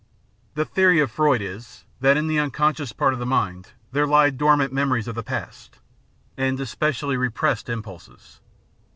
The theory of Freud is, that in the unconscious part of the mind there lie dormant memories of the past and especially "re pressed" impulses.